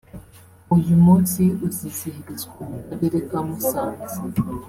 uyu munsi uzizihirizwa mu Karere ka Musanze